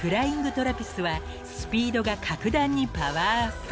・トラピスはスピードが格段にパワーアップ］